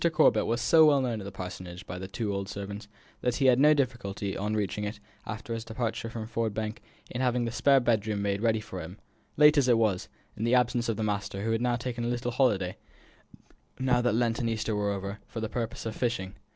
Corbet was so well known at the Parsonage by the two old servants, that he had no difficulty, on reaching it, after his departure from Ford Bank, in having the spare bed chamber made ready for him, late as it was, and in the absence of the master, who had taken a little holiday, now that Lent and Easter were over, for the purpose of fishing.